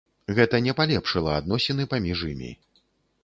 Гэта не палепшыла адносіны паміж імі.